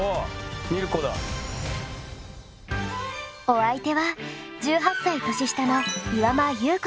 お相手は１８歳年下の岩間裕子さん。